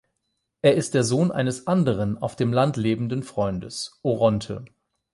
Er ist der Sohn eines anderen, auf dem Land lebenden Freundes: Oronte.